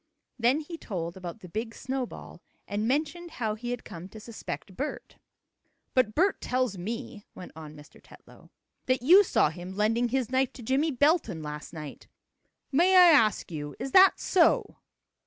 Then he told about the big snowball, and mentioned how he had come to suspect Bert. "But Bert tells me," went on Mr. Tetlow, "that you saw him lending his knife to Jimmie Belton last night. May I ask you, is that so?"